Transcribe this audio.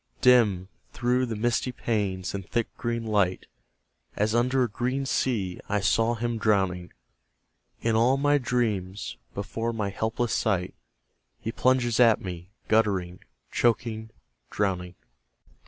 Dim, through the misty panes and thick green light, As under a green sea, I saw him drowning. In all my dreams, before my helpless sight, He plunges at me, guttering, choking, drowning.